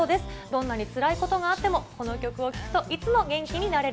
どんなにつらいことがあっても、この曲を聴くといつも元気になれ